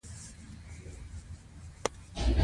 غوماشې د طبیعي ژوند یوه کوچنۍ برخه ده.